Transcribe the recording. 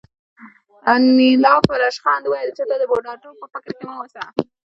انیلا په ریشخند وویل چې ته د بوډاتوب په فکر کې مه اوسه